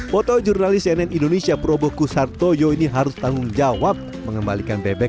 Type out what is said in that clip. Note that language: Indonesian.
foto jurnalis cnn indonesia pro bokus hartoyo ini harus tanggung jawab mengembalikan bebek